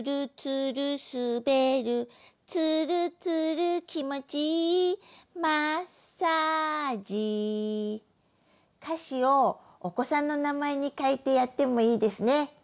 「つるつるきもちいいマッサージ」歌詞をお子さんの名前に変えてやってもいいですね。